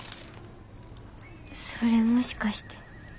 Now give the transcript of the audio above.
それもしかして。